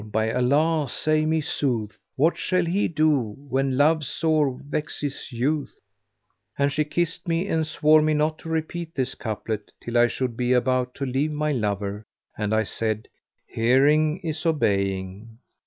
by Allah say me sooth * What shall he do when love sore vexeth youth?'"[FN#499] And she kissed me and swore me not to repeat this couplet till I should be about to leave my lover and I said, "Hearing is obeying!"